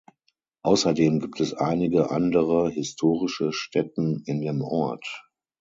Außerdem gibt es einige andere historische Stätten in dem Ort.